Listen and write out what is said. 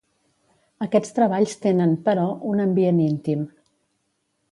Aquests treballs tenen, però, un ambient íntim